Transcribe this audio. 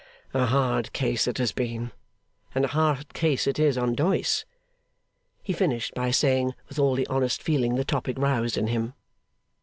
'A hard case it has been, and a hard case it is on Doyce,' he finished by saying, with all the honest feeling the topic roused in him.